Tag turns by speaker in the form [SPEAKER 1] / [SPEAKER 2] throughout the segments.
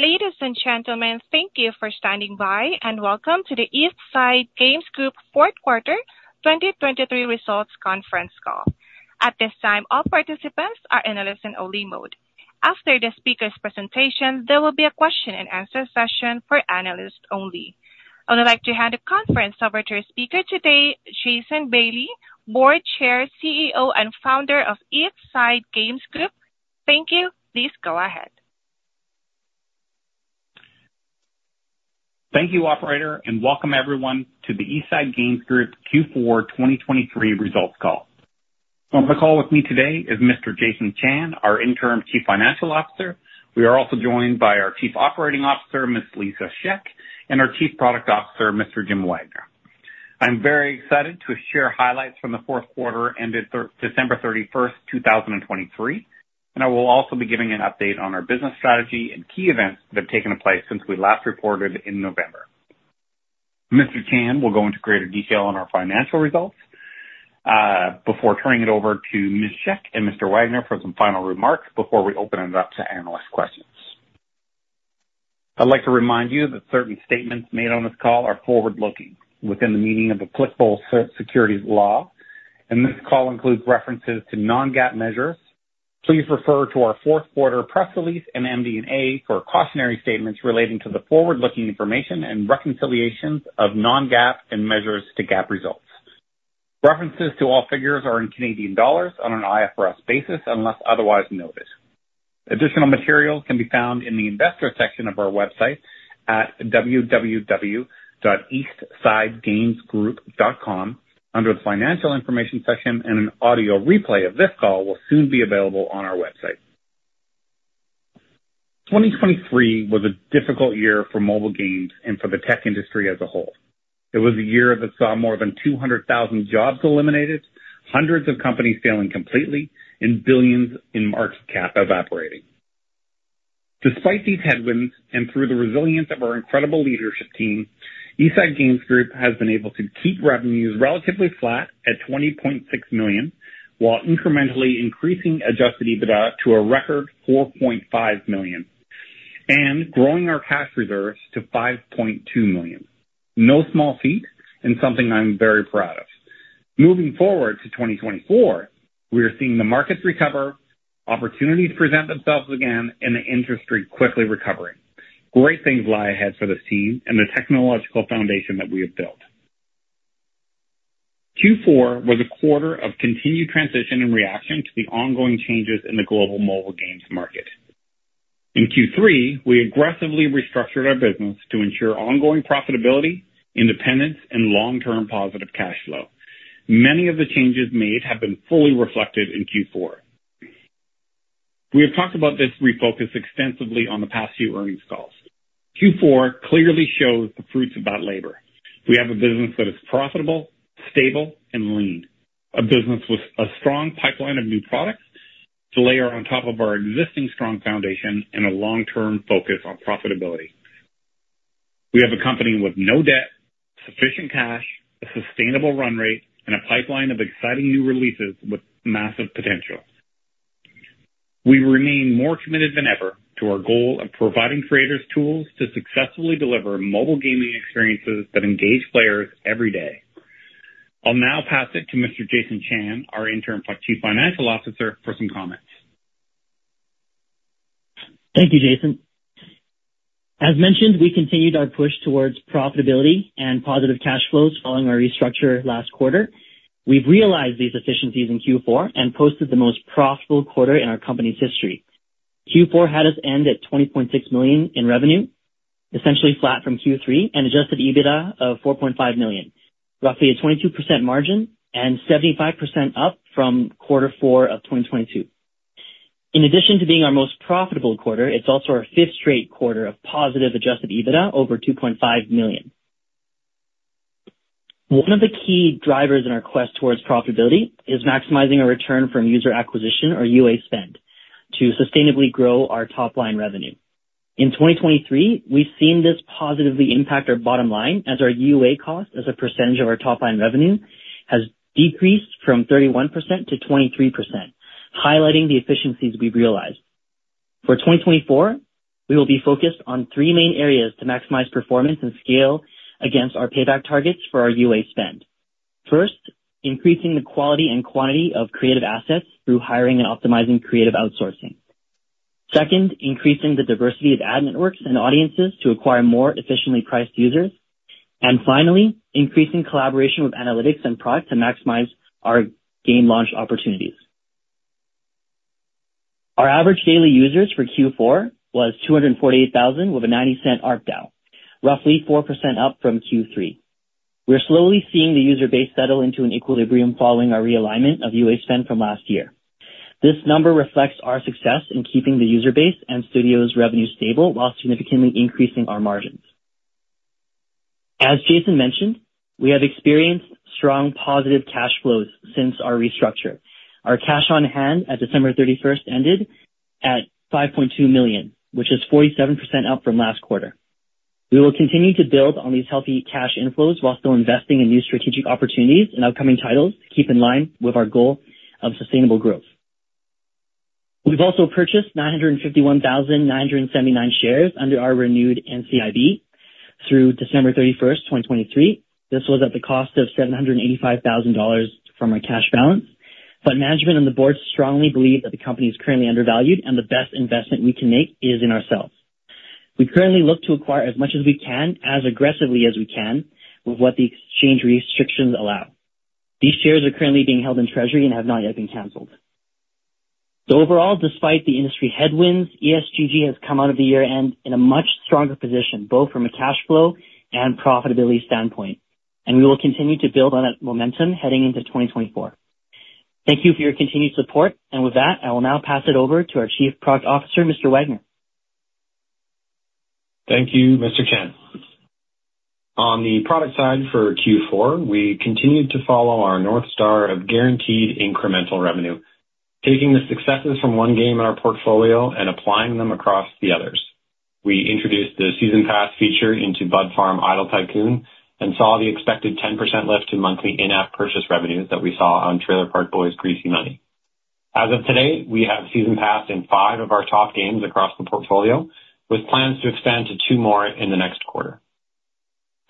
[SPEAKER 1] Ladies and gentlemen, thank you for standing by, and welcome to the East Side Games Group Fourth Quarter 2023 Results Conference Call. At this time, all participants are in a listen-only mode. After the speaker's presentation, there will be a question-and-answer session for analysts only. I would like to hand the conference over to our speaker today, Jason Bailey, Board Chair, CEO, and Founder of East Side Games Group. Thank you. Please go ahead.
[SPEAKER 2] Thank you, operator, and welcome everyone to the East Side Games Group Q4 2023 Results Call. On the call with me today is Mr. Jason Chan, our interim Chief Financial Officer. We are also joined by our Chief Operating Officer, Ms. Lisa Shek, and our Chief Product Officer, Mr. Jim Wagner. I'm very excited to share highlights from the fourth quarter, ended December 31, 2023, and I will also be giving an update on our business strategy and key events that have taken place since we last reported in November. Mr. Chan will go into greater detail on our financial results before turning it over to Ms. Shek and Mr. Wagner for some final remarks before we open it up to analyst questions. I'd like to remind you that certain statements made on this call are forward-looking within the meaning of applicable securities law, and this call includes references to non-GAAP measures. Please refer to our fourth quarter press release and MD&A for cautionary statements relating to the forward-looking information and reconciliations of non-GAAP measures to GAAP results. References to all figures are in Canadian dollars on an IFRS basis, unless otherwise noted. Additional material can be found in the investor section of our website at www.eastsidegamesgroup.com under the Financial Information section, and an audio replay of this call will soon be available on our website. 2023 was a difficult year for mobile games and for the tech industry as a whole. It was a year that saw more than 200,000 jobs eliminated, hundreds of companies failing completely, and billions in market cap evaporating. Despite these headwinds, and through the resilience of our incredible leadership team, East Side Games Group has been able to keep revenues relatively flat at 20.6 million, while incrementally increasing Adjusted EBITDA to a record 4.5 million and growing our cash reserves to 5.2 million. No small feat, and something I'm very proud of. Moving forward to 2024, we are seeing the markets recover, opportunities present themselves again, and the industry quickly recovering. Great things lie ahead for this team and the technological foundation that we have built. Q4 was a quarter of continued transition and reaction to the ongoing changes in the global mobile games market. In Q3, we aggressively restructured our business to ensure ongoing profitability, independence, and long-term positive cash flow. Many of the changes made have been fully reflected in Q4. We have talked about this refocus extensively on the past few earnings calls. Q4 clearly shows the fruits of that labor. We have a business that is profitable, stable, and lean. A business with a strong pipeline of new products to layer on top of our existing strong foundation and a long-term focus on profitability. We have a company with no debt, sufficient cash, a sustainable run rate, and a pipeline of exciting new releases with massive potential. We remain more committed than ever to our goal of providing creators tools to successfully deliver mobile gaming experiences that engage players every day. I'll now pass it to Mr. Jason Chan, our Interim Chief Financial Officer, for some comments.
[SPEAKER 3] Thank you, Jason. As mentioned, we continued our push towards profitability and positive cash flows following our restructure last quarter. We've realized these efficiencies in Q4 and posted the most profitable quarter in our company's history. Q4 had us end at 20.6 million in revenue, essentially flat from Q3, and adjusted EBITDA of 4.5 million, roughly a 22% margin and 75% up from quarter four of 2022. In addition to being our most profitable quarter, it's also our fifth straight quarter of positive adjusted EBITDA over 2.5 million. One of the key drivers in our quest towards profitability is maximizing our return from user acquisition, or UA spend, to sustainably grow our top line revenue. In 2023, we've seen this positively impact our bottom line as our UA cost as a percentage of our top line revenue has decreased from 31%-23%, highlighting the efficiencies we've realized. For 2024, we will be focused on three main areas to maximize performance and scale against our payback targets for our UA spend. First, increasing the quality and quantity of creative assets through hiring and optimizing creative outsourcing. Second, increasing the diversity of ad networks and audiences to acquire more efficiently priced users. And finally, increasing collaboration with analytics and product to maximize our game launch opportunities. Our average daily users for Q4 was 248,000 with a 0.90 ARPDAU, roughly 4% up from Q3. We're slowly seeing the user base settle into an equilibrium following our realignment of UA spend from last year. This number reflects our success in keeping the user base and studio's revenue stable while significantly increasing our margins. As Jason mentioned, we have experienced strong positive cash flows since our restructure. Our cash on hand at December thirty-first ended at 5.2 million, which is 47% up from last quarter... We will continue to build on these healthy cash inflows while still investing in new strategic opportunities and upcoming titles, to keep in line with our goal of sustainable growth. We've also purchased 951,979 shares under our renewed NCIB through December thirty-first, 2023. This was at the cost of 785,000 dollars from our cash balance. But management and the board strongly believe that the company is currently undervalued, and the best investment we can make is in ourselves. We currently look to acquire as much as we can, as aggressively as we can, with what the exchange restrictions allow. These shares are currently being held in treasury and have not yet been canceled. So overall, despite the industry headwinds, ESGG has come out of the year-end in a much stronger position, both from a cash flow and profitability standpoint, and we will continue to build on that momentum heading into 2024. Thank you for your continued support. And with that, I will now pass it over to our Chief Product Officer, Mr. Wagner.
[SPEAKER 4] Thank you, Mr. Chan. On the product side for Q4, we continued to follow our North Star of guaranteed incremental revenue, taking the successes from one game in our portfolio and applying them across the others. We introduced the Season Pass feature into Bud Farm: Idle Tycoon and saw the expected 10% lift in monthly in-app purchase revenues that we saw on Trailer Park Boys: Greasy Money. As of today, we have Season Pass in five of our top games across the portfolio, with plans to expand to two more in the next quarter.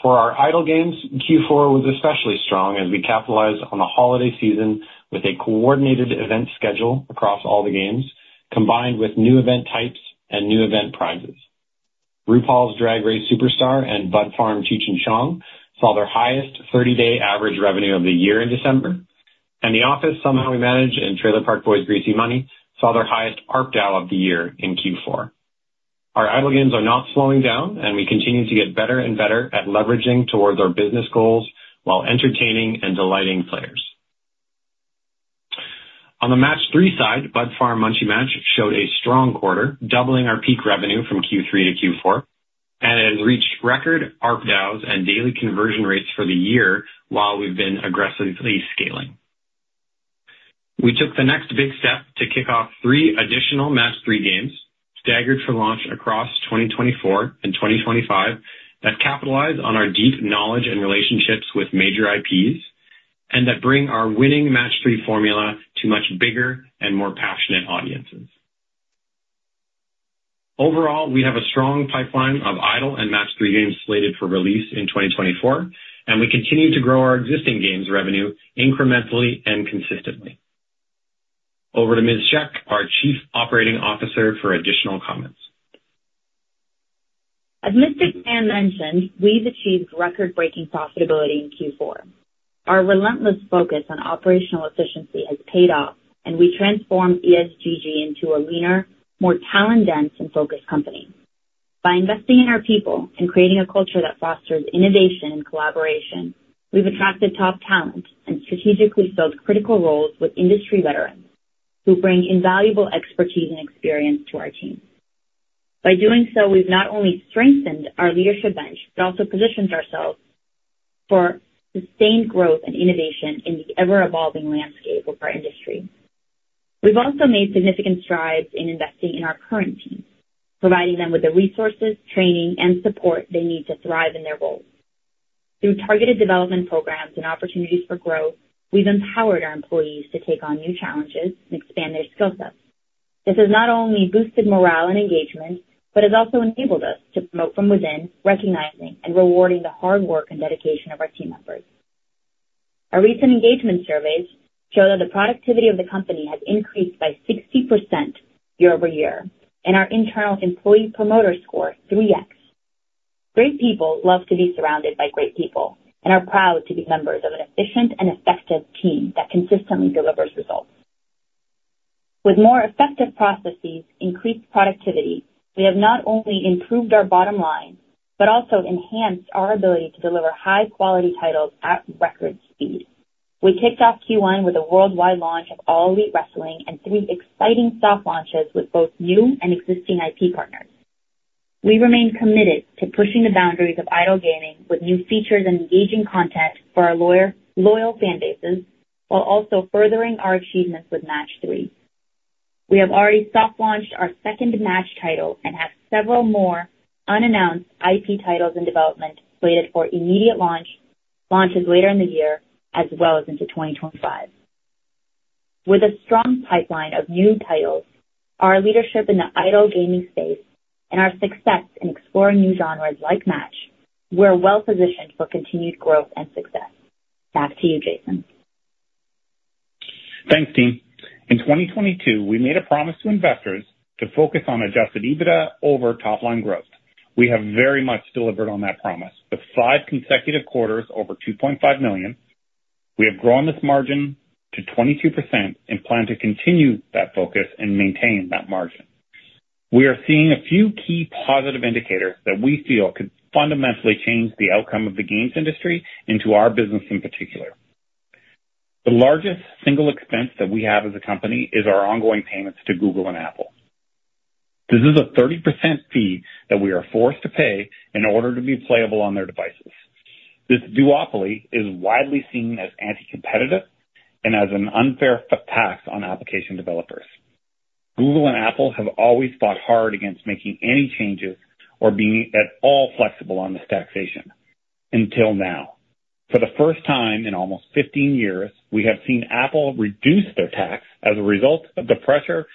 [SPEAKER 4] For our idle games, Q4 was especially strong as we capitalized on the holiday season with a coordinated event schedule across all the games, combined with new event types and new event prizes. RuPaul's Drag Race Superstar and Bud Farm: Cheech and Chong saw their highest 30-day average revenue of the year in December, and The Office: Somehow We Manage and Trailer Park Boys: Greasy Money saw their highest ARPDAU of the year in Q4. Our idle games are not slowing down, and we continue to get better and better at leveraging towards our business goals while entertaining and delighting players. On the match 3 side, Bud Farm: Munchie Match showed a strong quarter, doubling our peak revenue from Q3 to Q4, and it has reached record ARPDAUs and daily conversion rates for the year while we've been aggressively scaling. We took the next big step to kick off three additional match 3 games, staggered for launch across 2024 and 2025, that capitalize on our deep knowledge and relationships with major IPs, and that bring our winning match 3 formula to much bigger and more passionate audiences. Overall, we have a strong pipeline of idle and match 3 games slated for release in 2024, and we continue to grow our existing games revenue incrementally and consistently. Over to Ms. Shek, our Chief Operating Officer, for additional comments.
[SPEAKER 5] As Mr. Chan mentioned, we've achieved record-breaking profitability in Q4. Our relentless focus on operational efficiency has paid off, and we transformed ESGG into a leaner, more talent-dense and focused company. By investing in our people and creating a culture that fosters innovation and collaboration, we've attracted top talent and strategically filled critical roles with industry veterans who bring invaluable expertise and experience to our team. By doing so, we've not only strengthened our leadership bench, but also positioned ourselves for sustained growth and innovation in the ever-evolving landscape of our industry. We've also made significant strides in investing in our current team, providing them with the resources, training, and support they need to thrive in their roles. Through targeted development programs and opportunities for growth, we've empowered our employees to take on new challenges and expand their skill sets. This has not only boosted morale and engagement, but has also enabled us to promote from within, recognizing and rewarding the hard work and dedication of our team members. Our recent engagement surveys show that the productivity of the company has increased by 60% year-over-year, and our internal employee promoter score, 3X. Great people love to be surrounded by great people and are proud to be members of an efficient and effective team that consistently delivers results. With more effective processes, increased productivity, we have not only improved our bottom line, but also enhanced our ability to deliver high-quality titles at record speed. We kicked off Q1 with a worldwide launch of All Elite Wrestling and three exciting soft launches with both new and existing IP partners. We remain committed to pushing the boundaries of idle gaming with new features and engaging content for our loyal, loyal fan bases, while also furthering our achievements with match 3. We have already soft launched our second Match title and have several more unannounced IP titles in development, slated for immediate launch, launches later in the year, as well as into 2025. With a strong pipeline of new titles, our leadership in the idle gaming space and our success in exploring new genres like Match, we're well positioned for continued growth and success. Back to you, Jason.
[SPEAKER 2] Thanks, team. In 2022, we made a promise to investors to focus on Adjusted EBITDA over top-line growth. We have very much delivered on that promise, with five consecutive quarters over 2.5 million. We have grown this margin to 22% and plan to continue that focus and maintain that margin. We are seeing a few key positive indicators that we feel could fundamentally change the outcome of the games industry into our business in particular. The largest single expense that we have as a company is our ongoing payments to Google and Apple. This is a 30% fee that we are forced to pay in order to be playable on their devices. ...This duopoly is widely seen as anti-competitive and as an unfair tax on application developers. Google and Apple have always fought hard against making any changes or being at all flexible on this taxation, until now. For the first time in almost 15 years, we have seen Apple reduce their tax as a result of the pressure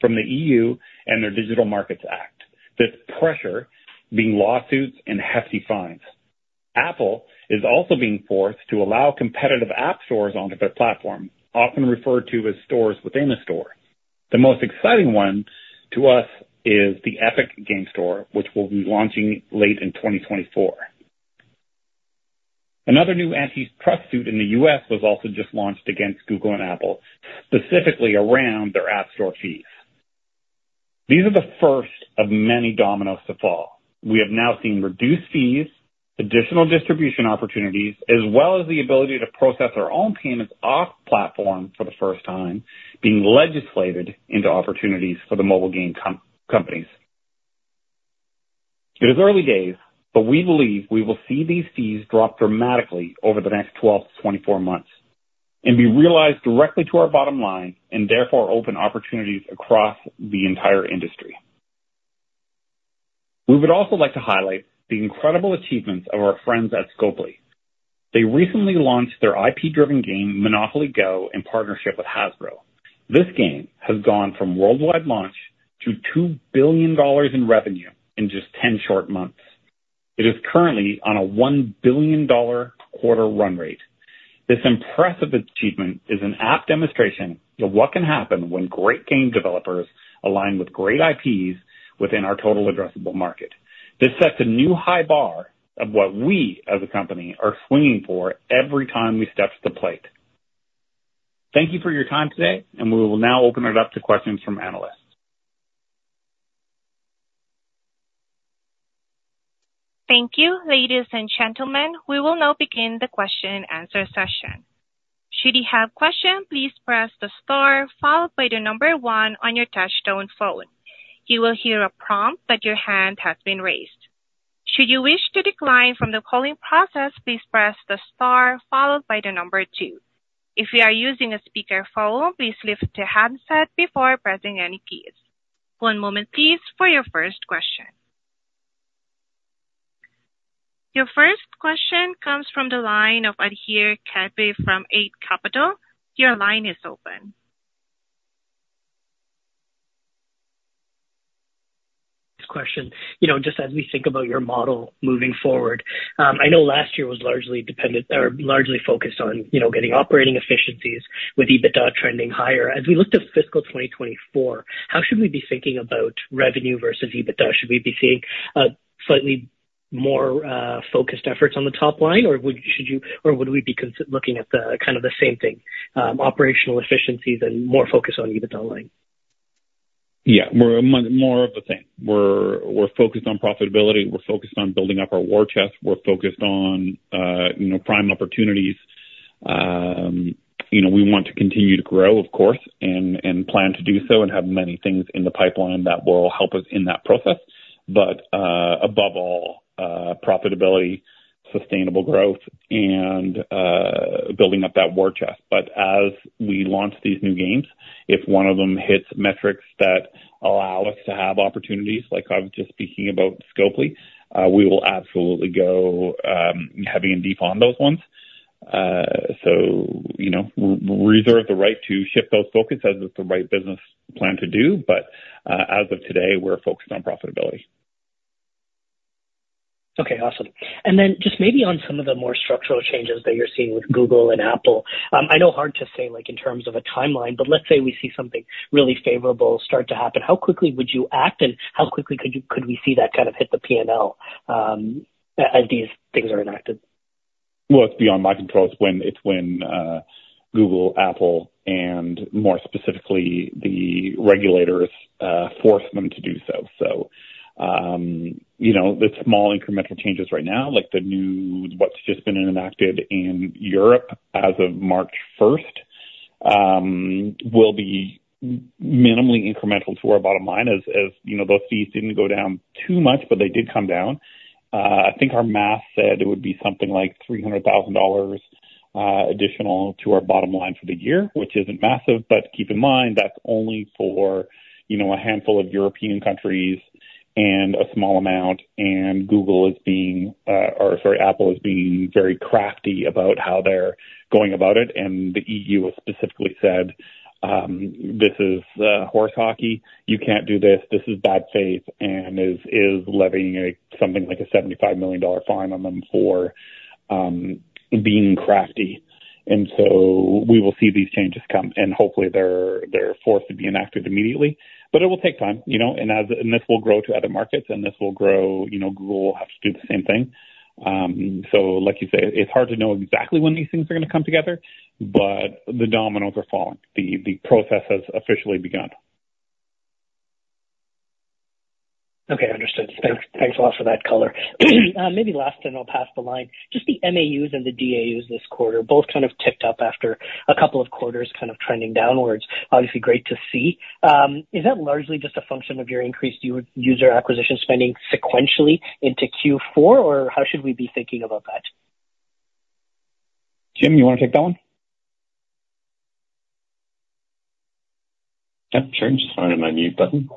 [SPEAKER 2] from the EU and their Digital Markets Act. This pressure being lawsuits and hefty fines. Apple is also being forced to allow competitive app stores onto their platform, often referred to as stores within a store. The most exciting one to us is the Epic Games Store, which will be launching late in 2024. Another new antitrust suit in the U.S. was also just launched against Google and Apple, specifically around their app store fees. These are the first of many dominoes to fall. We have now seen reduced fees, additional distribution opportunities, as well as the ability to process our own payments off platform for the first time, being legislated into opportunities for the mobile game companies. It is early days, but we believe we will see these fees drop dramatically over the next 12-24 months and be realized directly to our bottom line and therefore open opportunities across the entire industry. We would also like to highlight the incredible achievements of our friends at Scopely. They recently launched their IP-driven game, Monopoly Go, in partnership with Hasbro. This game has gone from worldwide launch to $2 billion in revenue in just 10 short months. It is currently on a $1 billion quarter run rate. This impressive achievement is an apt demonstration of what can happen when great game developers align with great IPs within our total addressable market. This sets a new high bar of what we, as a company, are swinging for every time we step to the plate. Thank you for your time today, and we will now open it up to questions from analysts.
[SPEAKER 1] Thank you, ladies and gentlemen. We will now begin the question-and-answer session. Should you have questions, please press the star followed by the number one on your touch-tone phone. You will hear a prompt that your hand has been raised. Should you wish to decline from the calling process, please press the star followed by the number two. If you are using a speakerphone, please lift the handset before pressing any keys. One moment, please, for your first question. Your first question comes from the line of Adhir Kadve from Eight Capital. Your line is open.
[SPEAKER 6] This question, you know, just as we think about your model moving forward, I know last year was largely dependent or largely focused on, you know, getting operating efficiencies with EBITDA trending higher. As we looked at fiscal 2024, how should we be thinking about revenue versus EBITDA? Should we be seeing slightly more focused efforts on the top line, or would should you, or would we be looking at the kind of the same thing, operational efficiencies and more focus on EBITDA line?
[SPEAKER 2] Yeah, more, more of the same. We're, we're focused on profitability. We're focused on building up our war chest. We're focused on, you know, prime opportunities. You know, we want to continue to grow, of course, and, and plan to do so, and have many things in the pipeline that will help us in that process. But, above all, profitability, sustainable growth and, building up that war chest. But as we launch these new games, if one of them hits metrics that allow us to have opportunities, like I was just speaking about Scopely, we will absolutely go, heavy and deep on those ones. So, you know, we reserve the right to shift those focus as it's the right business plan to do, but, as of today, we're focused on profitability.
[SPEAKER 6] Okay, awesome. And then just maybe on some of the more structural changes that you're seeing with Google and Apple. I know hard to say, like, in terms of a timeline, but let's say we see something really favorable start to happen. How quickly would you act, and how quickly could we see that kind of hit the PNL as these things are enacted?
[SPEAKER 2] Well, it's beyond my control. It's when, it's when, Google, Apple, and more specifically, the regulators, force them to do so. So, you know, the small incremental changes right now, like the new, what's just been enacted in Europe as of March first, will be minimally incremental to our bottom line, as you know, those fees didn't go down too much, but they did come down. I think our math said it would be something like 300,000 dollars additional to our bottom line for the year, which isn't massive, but keep in mind, that's only for, you know, a handful of European countries and a small amount, and Google is being, or sorry, Apple is being very crafty about how they're going about it. And the EU has specifically said, "This is horse hockey. You can't do this. This is bad faith," and is levying something like a $75 million fine on them for being crafty. And so we will see these changes come, and hopefully they're forced to be enacted immediately. But it will take time, you know, and as... And this will grow to other markets, and this will grow, you know, Google will have to do the same thing. So like you say, it's hard to know exactly when these things are gonna come together, but the dominoes are falling. The process has officially begun.
[SPEAKER 6] Okay, understood. Thanks, thanks a lot for that color. Maybe last, then I'll pass the line. Just the MAUs and the DAUs this quarter, both kind of ticked up after a couple of quarters, kind of trending downwards. Obviously, great to see. Is that largely just a function of your increased user acquisition spending sequentially into Q4, or how should we be thinking about that?
[SPEAKER 2] Jim, you wanna take that one?...
[SPEAKER 4] Yep, sure. Just finding my mute button.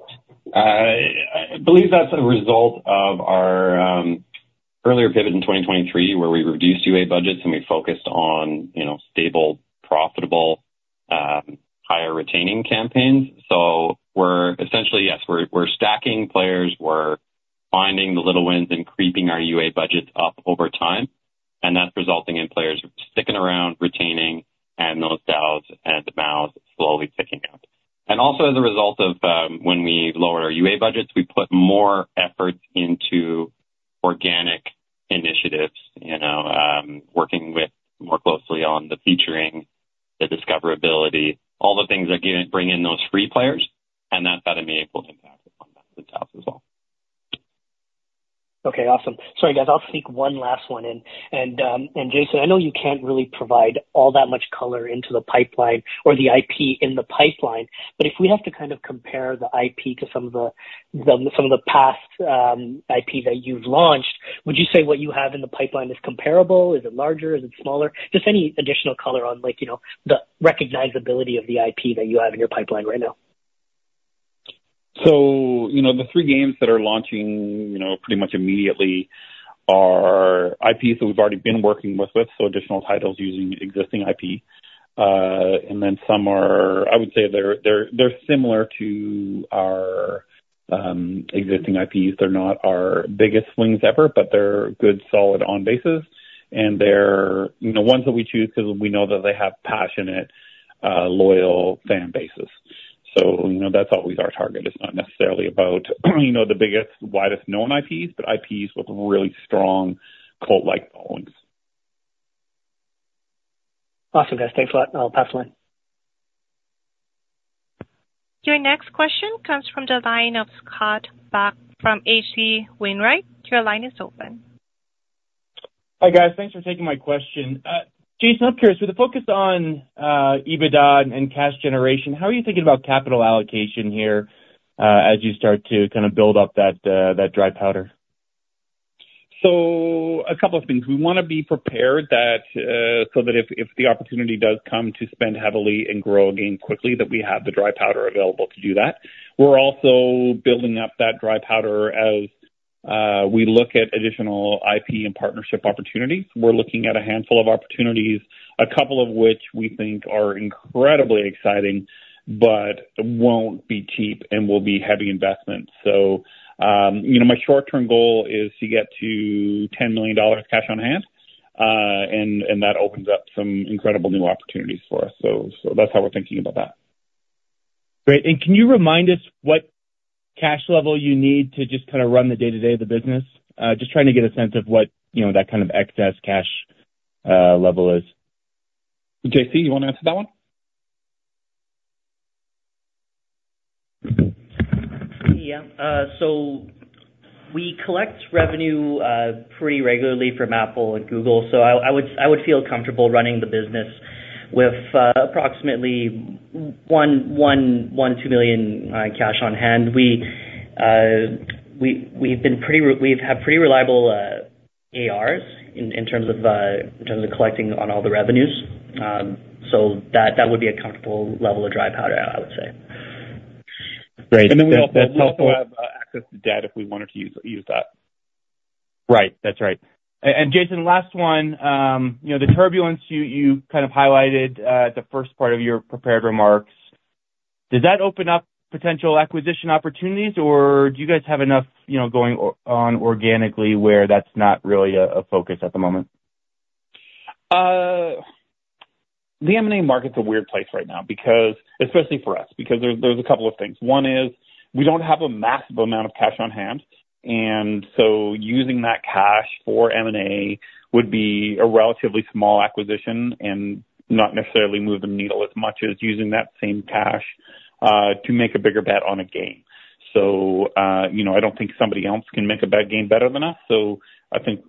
[SPEAKER 4] I believe that's a result of our earlier pivot in 2023, where we reduced UA budgets, and we focused on, you know, stable, profitable, higher retaining campaigns. So we're essentially, yes, we're stacking players, we're finding the little wins and creeping our UA budgets up over time, and that's resulting in players sticking around, retaining, and those DAUs and the MAUs slowly ticking up. And also, as a result of when we lowered our UA budgets, we put more effort into organic initiatives, you know, working more closely on the featuring, the discoverability, all the things that bring in those free players, and that's had an enabling impact on the DAUs as well.
[SPEAKER 6] Okay, awesome. Sorry, guys, I'll sneak one last one in, and Jason, I know you can't really provide all that much color into the pipeline or the IP in the pipeline, but if we have to kind of compare the IP to some of the past IP that you've launched, would you say what you have in the pipeline is comparable? Is it larger? Is it smaller? Just any additional color on like, you know, the recognizability of the IP that you have in your pipeline right now.
[SPEAKER 2] So, you know, the three games that are launching, you know, pretty much immediately, are IPs that we've already been working with, so additional titles using existing IP. And then some are... I would say they're similar to our existing IPs. They're not our biggest swings ever, but they're good, solid on-bases, and they're, you know, ones that we choose because we know that they have passionate, loyal fan bases. So, you know, that's always our target. It's not necessarily about, you know, the biggest, widest known IPs, but IPs with really strong cult-like followings.
[SPEAKER 6] Awesome, guys. Thanks a lot. I'll pass the line.
[SPEAKER 1] Your next question comes from the line of Scott Buck from HC Wainwright. Your line is open.
[SPEAKER 7] Hi, guys. Thanks for taking my question. Jason, I'm curious, with the focus on EBITDA and cash generation, how are you thinking about capital allocation here, as you start to kind of build up that dry powder?
[SPEAKER 2] So a couple of things. We want to be prepared that, so that if, if the opportunity does come to spend heavily and grow a game quickly, that we have the dry powder available to do that. We're also building up that dry powder as, we look at additional IP and partnership opportunities. We're looking at a handful of opportunities, a couple of which we think are incredibly exciting, but won't be cheap and will be heavy investments. So, you know, my short-term goal is to get to 10 million dollars cash on hand, and that opens up some incredible new opportunities for us. So, that's how we're thinking about that.
[SPEAKER 7] Great. And can you remind us what cash level you need to just kind of run the day-to-day of the business? Just trying to get a sense of what, you know, that kind of excess cash level is?
[SPEAKER 2] J.C., you want to answer that one?
[SPEAKER 3] Yeah. So we collect revenue pretty regularly from Apple and Google, so I would feel comfortable running the business with approximately 1-2 million cash on hand. We, we've had pretty reliable ARs in terms of collecting on all the revenues. So that would be a comfortable level of dry powder, I would say.
[SPEAKER 7] Great.
[SPEAKER 2] Then we also have access to debt if we wanted to use that.
[SPEAKER 7] Right. That's right. And Jason, last one. You know, the turbulence you kind of highlighted at the first part of your prepared remarks, did that open up potential acquisition opportunities, or do you guys have enough, you know, going on organically, where that's not really a focus at the moment?
[SPEAKER 2] The M&A market's a weird place right now, because, especially for us, because there, there's a couple of things. One is, we don't have a massive amount of cash on hand, and so using that cash for M&A would be a relatively small acquisition and not necessarily move the needle as much as using that same cash to make a bigger bet on a game. So, you know, I don't think somebody else can make a bad game better than us, so I think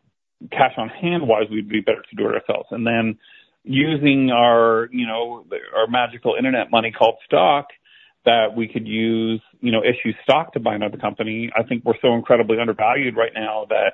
[SPEAKER 2] cash on hand-wise, we'd be better to do it ourselves. And then using our, you know, our magical internet money called stock, that we could use, you know, issue stock to buy another company, I think we're so incredibly undervalued right now that,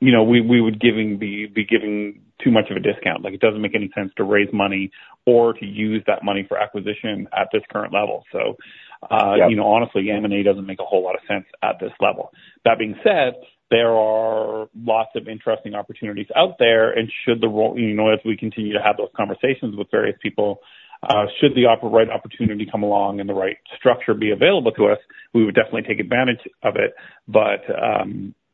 [SPEAKER 2] you know, we would be giving too much of a discount. Like, it doesn't make any sense to raise money or to use that money for acquisition at this current level. So,
[SPEAKER 7] Yep.
[SPEAKER 2] You know, honestly, M&A doesn't make a whole lot of sense at this level. That being said, there are lots of interesting opportunities out there, and you know, as we continue to have those conversations with various people, should the right opportunity come along and the right structure be available to us, we would definitely take advantage of it. But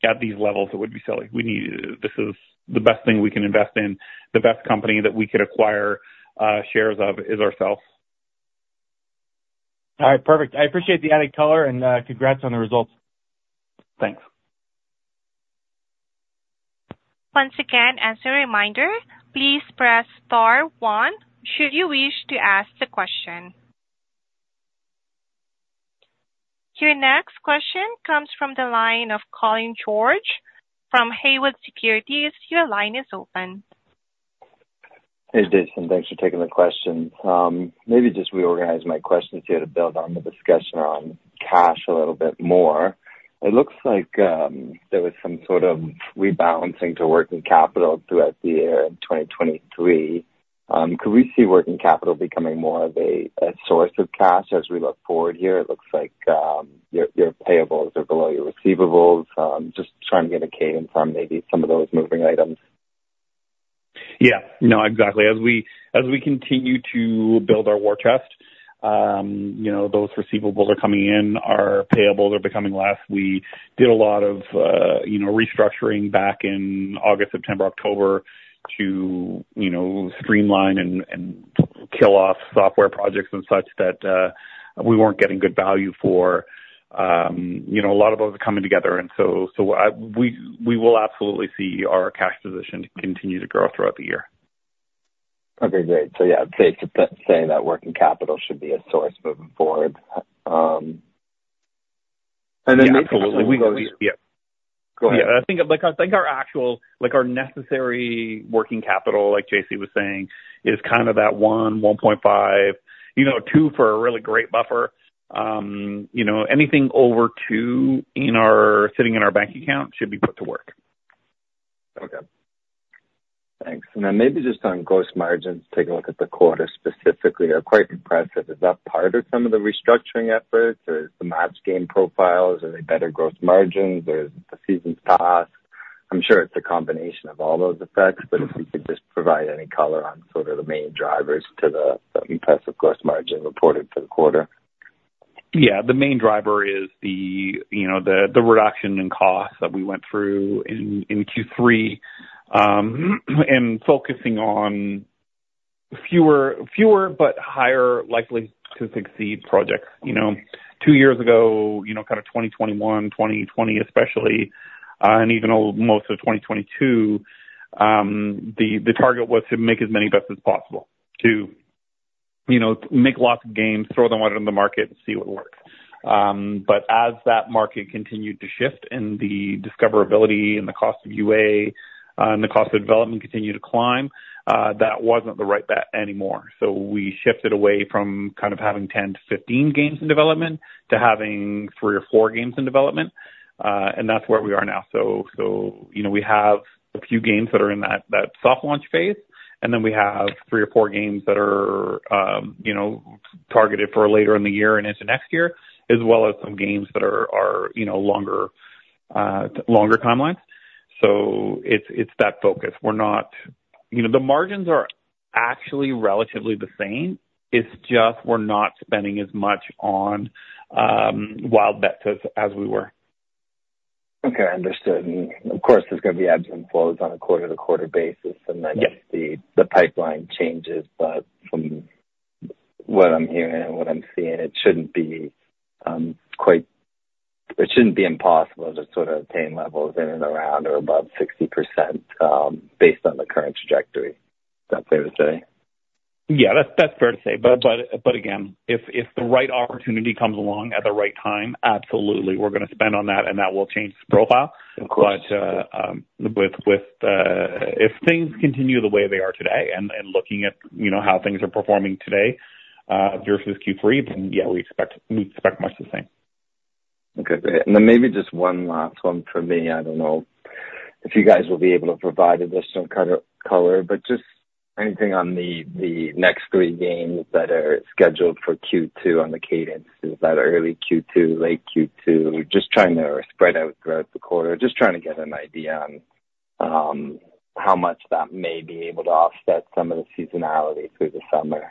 [SPEAKER 2] at these levels, it would be silly. We need... This is the best thing we can invest in. The best company that we could acquire shares of is ourselves.
[SPEAKER 7] All right, perfect. I appreciate the added color, and, congrats on the results.
[SPEAKER 2] Thanks.
[SPEAKER 1] Once again, as a reminder, please press star one, should you wish to ask the question. Your next question comes from the line of Colin George from Haywood Securities. Your line is open.
[SPEAKER 8] Hey, Jason, thanks for taking the question. Maybe just reorganize my questions here to build on the discussion on cash a little bit more. It looks like there was some sort of rebalancing to working capital throughout the year in 2023. Could we see working capital becoming more of a, a source of cash as we look forward here? It looks like your, your payables are below your receivables. Just trying to get a cadence on maybe some of those moving items.
[SPEAKER 2] Yeah. No, exactly. As we continue to build our war chest, you know, those receivables are coming in, our payables are becoming less. We did a lot of, you know, restructuring back in August, September, October, to, you know, streamline and kill off software projects and such that we weren't getting good value for. You know, a lot of those are coming together, and so we will absolutely see our cash position continue to grow throughout the year.
[SPEAKER 8] Okay, great. So yeah, safe to say that working capital should be a source moving forward. And then-
[SPEAKER 2] Yeah, absolutely.
[SPEAKER 8] Go ahead.
[SPEAKER 2] Yeah, I think, like, I think our actual, like, our necessary working capital, like JC was saying, is kind of that 1, 1.5, you know, 2 for a really great buffer. You know, anything over 2 sitting in our bank account should be put to work.
[SPEAKER 8] Okay. Thanks. And then maybe just on gross margins, take a look at the quarter specifically. They're quite impressive. Is that part of some of the restructuring efforts, or the match game profiles? Are they better gross margins or the Season Pass? I'm sure it's a combination of all those effects, but if you could just provide any color on sort of the main drivers to the impressive gross margin reported for the quarter.
[SPEAKER 2] Yeah. The main driver is you know, the reduction in costs that we went through in Q3, and focusing on fewer but higher likely to succeed projects. You know, two years ago, you know, kind of 2021, 2020 especially, and even almost of 2022, the target was to make as many bets as possible, to, you know, make lots of games, throw them out on the market and see what works. But as that market continued to shift, and the discoverability and the cost of UA and the cost of development continued to climb, that wasn't the right bet anymore. So we shifted away from kind of having 10-15 games in development to having three or four games in development. And that's where we are now. So, you know, we have a few games that are in that soft launch phase, and then we have three or four games that are, you know, targeted for later in the year and into next year, as well as some games that are, you know, longer timelines. So it's that focus. We're not... You know, the margins are actually relatively the same. It's just we're not spending as much on wild bets as we were.
[SPEAKER 8] Okay, understood. Of course, there's going to be ebbs and flows on a quarter-to-quarter basis, and then-
[SPEAKER 2] Yes
[SPEAKER 8] ...the pipeline changes, but from what I'm hearing and what I'm seeing, it shouldn't be quite... It shouldn't be impossible to sort of attain levels in and around or above 60%, based on the current trajectory. Is that fair to say?
[SPEAKER 2] Yeah, that's fair to say. But again, if the right opportunity comes along at the right time, absolutely, we're going to spend on that, and that will change the profile.
[SPEAKER 8] Of course.
[SPEAKER 2] But, if things continue the way they are today and looking at, you know, how things are performing today versus Q3, then yeah, we expect much the same.
[SPEAKER 8] Okay. Then maybe just one last one from me. I don't know if you guys will be able to provide additional kind of color, but just anything on the, the next three games that are scheduled for Q2 on the cadences that are early Q2, late Q2, just trying to spread out throughout the quarter. Just trying to get an idea on, how much that may be able to offset some of the seasonality through the summer.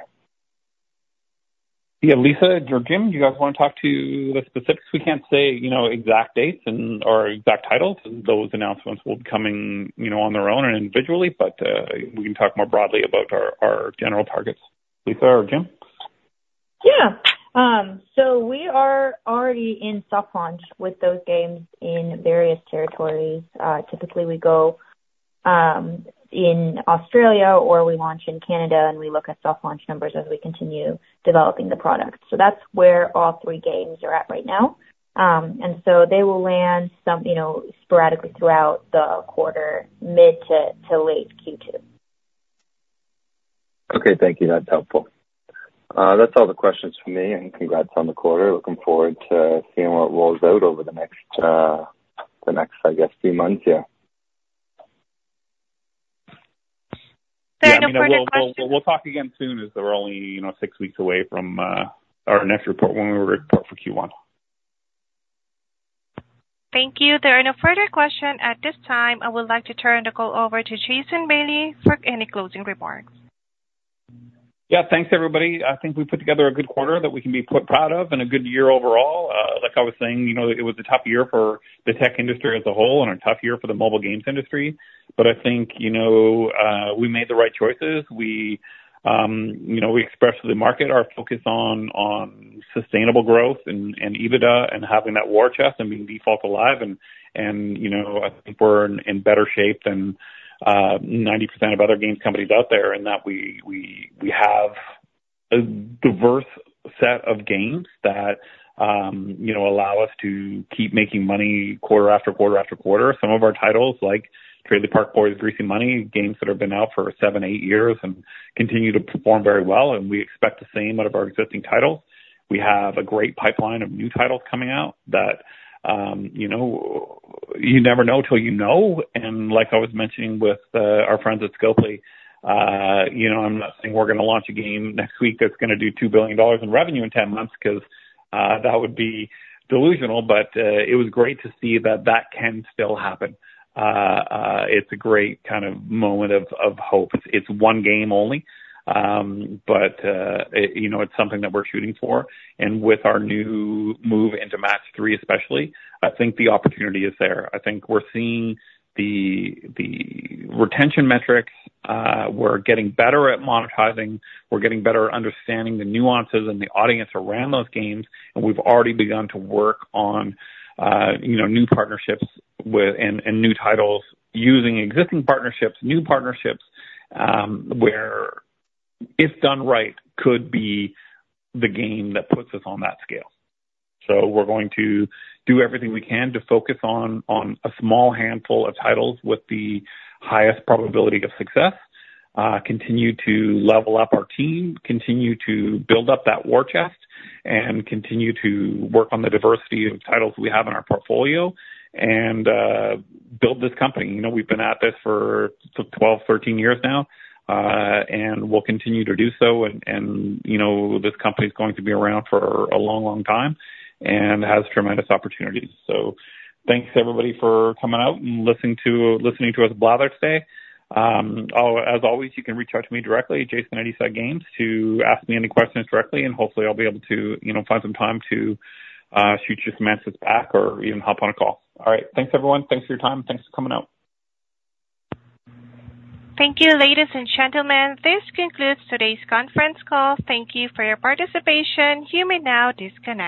[SPEAKER 2] Yeah. Lisa or Jim, do you guys want to talk to the specifics? We can't say, you know, exact dates and/or exact titles. Those announcements will be coming, you know, on their own and individually, but, we can talk more broadly about our general targets. Lisa or Jim?
[SPEAKER 5] Yeah. So we are already in soft launch with those games in various territories. Typically, we go in Australia or we launch in Canada, and we look at soft launch numbers as we continue developing the product. So that's where all three games are at right now. And so they will land some, you know, sporadically throughout the quarter, mid to late Q2.
[SPEAKER 8] Okay. Thank you. That's helpful. That's all the questions from me, and congrats on the quarter. Looking forward to seeing what rolls out over the next, the next, I guess, few months. Yeah.
[SPEAKER 1] There are no further questions.
[SPEAKER 2] We'll talk again soon, as we're only, you know, six weeks away from our next report, when we report for Q1.
[SPEAKER 1] Thank you. There are no further questions at this time. I would like to turn the call over to Jason Bailey for any closing remarks.
[SPEAKER 2] Yeah. Thanks, everybody. I think we put together a good quarter that we can be proud of and a good year overall. Like I was saying, you know, it was a tough year for the tech industry as a whole and a tough year for the mobile games industry, but I think, you know, we made the right choices. We, you know, we expressed to the market our focus on sustainable growth and EBITDA and having that war chest and being default alive. And, you know, I think we're in better shape than 90% of other games companies out there, in that we have a diverse set of games that, you know, allow us to keep making money quarter after quarter after quarter. Some of our titles, like Trailer Park Boys: Greasy Money, games that have been out for seven, eight years and continue to perform very well, and we expect the same out of our existing titles. We have a great pipeline of new titles coming out that, you know, you never know till you know. And like I was mentioning with our friends at Scopely, you know, I'm not saying we're gonna launch a game next week that's gonna do $2 billion in revenue in 10 months, because that would be delusional. But it was great to see that that can still happen. It's a great kind of moment of hope. It's one game only, but it you know, it's something that we're shooting for. And with our new move into Match 3 especially, I think the opportunity is there. I think we're seeing the retention metrics, we're getting better at monetizing, we're getting better at understanding the nuances and the audience around those games, and we've already begun to work on, you know, new partnerships with... and new titles, using existing partnerships, new partnerships, where, if done right, could be the game that puts us on that scale. So we're going to do everything we can to focus on a small handful of titles with the highest probability of success, continue to level up our team, continue to build up that war chest, and continue to work on the diversity of titles we have in our portfolio, and build this company. You know, we've been at this for 12, 13 years now, and we'll continue to do so. And you know, this company's going to be around for a long, long time and has tremendous opportunities. So thanks everybody for coming out and listening to, listening to us blather today. As always, you can reach out to me directly, jason@eastsidegames, to ask me any questions directly, and hopefully I'll be able to, you know, find some time to shoot you some answers back or even hop on a call. All right. Thanks, everyone. Thanks for your time, and thanks for coming out.
[SPEAKER 1] Thank you, ladies and gentlemen. This concludes today's conference call. Thank you for your participation. You may now disconnect.